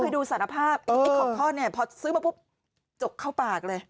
ไม่เคยดูสารภาพอีกของข้อนี่พอซื้อมาปุ๊บจกเข้าปากเลย